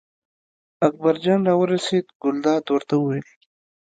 اکبرجان راورسېد، ګلداد ورته وویل.